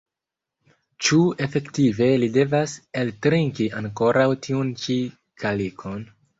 Ĉu efektive li devas eltrinki ankoraŭ tiun ĉi kalikon?